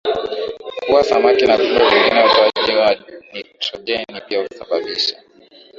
kuua samaki na viumbe vingine Utoaji wa nitrojeni pia husababisha